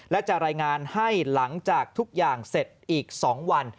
และจะรายงานให้หลังจากทุกอย่างเสร็จอีก๒วัน